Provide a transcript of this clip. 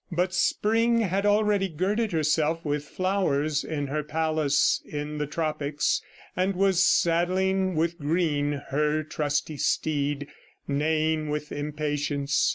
... But Spring had already girded herself with flowers in her palace in the tropics, and was saddling with green her trusty steed, neighing with impatience.